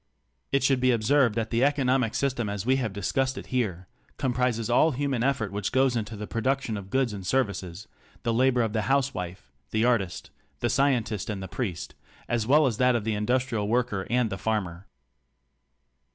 It should be observed that the economic system as we have discussed it here comprises all human effort which goes into the production of goods and services — the labor of the housewife, the artist, the scientist and the priest, as well as that of the industrial worker and the farmer.